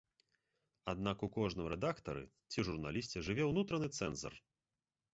Аднак у кожным рэдактары ці журналісце жыве ўнутраны цэнзар.